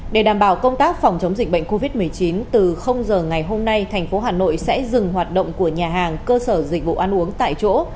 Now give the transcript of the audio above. để đảm bảo công tác phòng chống dịch bệnh covid một mươi chín từ giờ ngày hôm nay tp hcm sẽ dừng hoạt động của nhà hàng cơ sở dịch vụ ăn uống tại chỗ